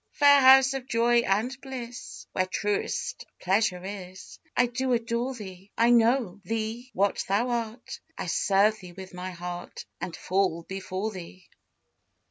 Fair house of joy and bliss Where truest pleasure is, I do adore thee; I know thee what thou art, I serve thee with my heart, And fall before thee.